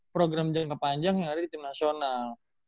program jangka panjang yang ada di tim nasional